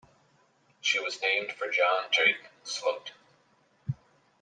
She was named for John Drake Sloat.